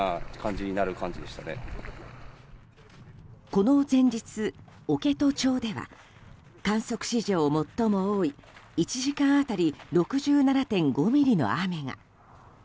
この前日、置戸町では観測史上最も多い１時間当たり６７．５ミリの雨が。